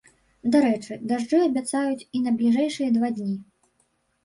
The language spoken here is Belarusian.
Дарэчы, дажджы абяцаюць і на бліжэйшыя два дні.